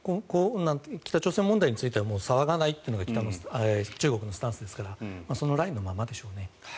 北朝鮮問題については騒がないというのが中国のスタンスですからそのラインのままでしょうね。